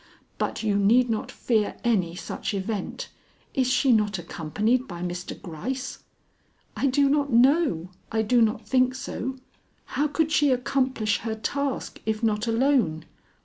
"But you need not fear any such event. Is she not accompanied by Mr. Gryce?" "I do not know; I do not think so. How could she accomplish her task if not alone?